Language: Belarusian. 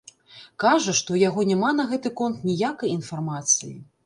Кажа, што ў яго няма на гэты конт ніякай інфармацыі.